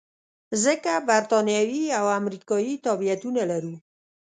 ځکه بریتانوي او امریکایي تابعیتونه لرو.